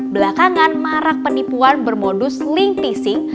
belakangan marak penipuan bermodus link phishing